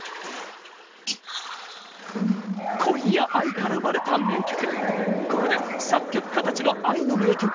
恋や愛から生まれた名曲。